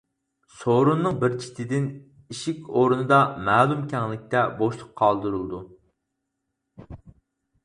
سورۇننىڭ بىر چېتىدىن ئىشىك ئورنىدا مەلۇم كەڭلىكتە بوشلۇق قالدۇرۇلىدۇ.